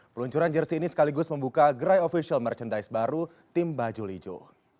peluncuran jersi ini sekaligus membuka gerai official merchandise baru tim bajul ijo